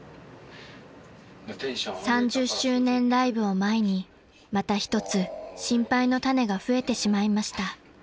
［３０周年ライブを前にまたひとつ心配の種が増えてしまいました］